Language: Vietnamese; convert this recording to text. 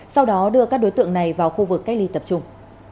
sau đó đưa các đối tượng này vào khu vực cách ly tập trung